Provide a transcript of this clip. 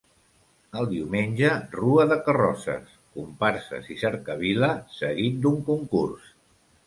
El diumenge rua de carrosses, comparses i cercavila, seguit d'un concurs.